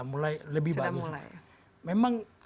mulai lebih bagus memang